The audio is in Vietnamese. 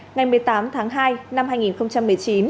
ngày một mươi tám tháng hai năm hai nghìn một mươi chín